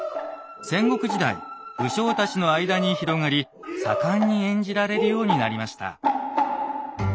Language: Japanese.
戦国時代武将たちの間に広がり盛んに演じられるようになりました。